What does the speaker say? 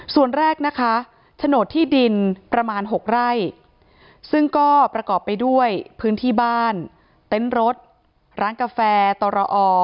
ซึ่งก็ประกอบไปด้วยพื้นที่บ้านเต้นรถร้านกาแฟตรอ